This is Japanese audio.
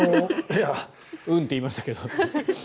うんって言いましたけど。